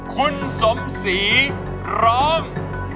คุณสมศรีร้อง